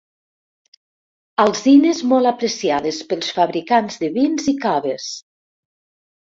Alzines molt apreciades pels fabricants de vins i caves.